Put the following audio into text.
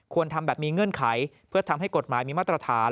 ทำแบบมีเงื่อนไขเพื่อทำให้กฎหมายมีมาตรฐาน